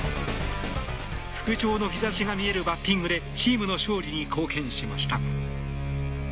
復調の兆しが見えるバッティングでチームの勝利に貢献しました。